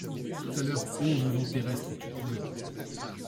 Tout à l’heure, ô vivant terrestre, tu pouvais